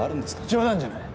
冗談じゃない！